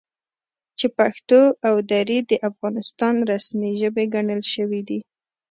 چې پښتو او دري د افغانستان رسمي ژبې ګڼل شوي دي،